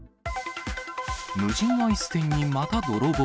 無人アイス店にまた泥棒。